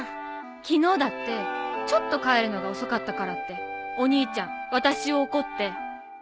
昨日だってちょっと帰るのが遅かったからってお兄ちゃん私を怒って。